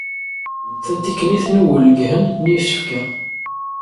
Tatiknit n uwgelhen n isefka.